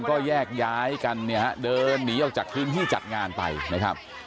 ก็แยกย้ายกันเนี่ยฮะเดินหนีออกจากพื้นที่จัดงานไปนะครับ